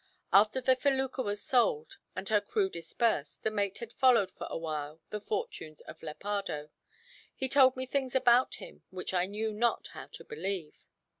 After the felucca was sold and her crew dispersed, the mate had followed for a while the fortunes of Lepardo. He told me things about him which I knew not how to believe.